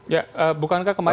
ya bukankah kemarin